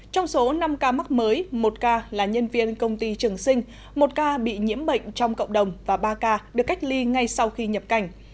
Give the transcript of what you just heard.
trong số năm ca mắc mới một ca là nhân viên công ty trường sinh một ca bị nhiễm bệnh trong cộng đồng và ba ca được cách ly ngay sau khi nhập cảnh